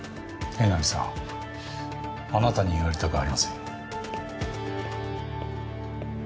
江波さんあなたに言われたくありません。